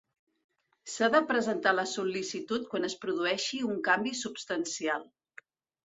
S'ha de presentar la sol·licitud quan es produeixi un canvi substancial.